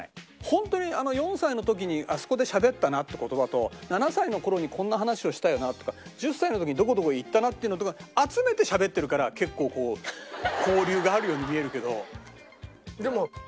ホントに４歳の時にあそこでしゃべったなって言葉と７歳の頃にこんな話をしたよなとか１０歳の時にどこどこへ行ったなっていうのとか集めてしゃべってるから結構交流があるように見えるけど。